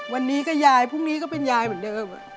วันนี้ก็ยายพรุ่งนี้ก็เป็นยายเหมือนเดิม